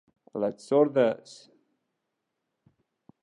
A les sordes.